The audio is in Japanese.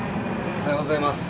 おはようございます。